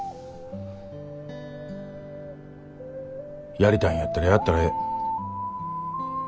やりたいんやったらやったらええ。